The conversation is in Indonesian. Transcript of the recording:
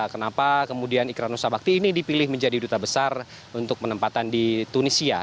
kenapa kemudian ikra nusa bakti ini dipilih menjadi duta besar untuk penempatan di tunisia